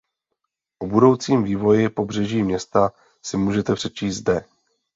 O budoucím vývoji pobřeží města si můžete přečíst zde.